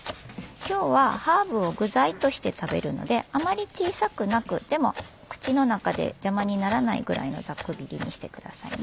今日はハーブを具材として食べるのであまり小さくなくでも口の中で邪魔にならないぐらいのざく切りにしてくださいね。